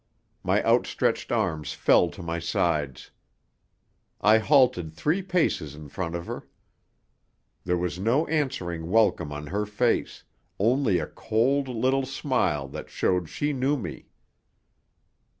My outstretched arms fell to my sides. I halted three paces in front of her. There was no answering welcome on her face, only a cold little smile that showed she knew me.